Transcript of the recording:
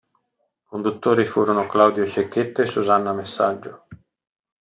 Conduttori furono Claudio Cecchetto e Susanna Messaggio.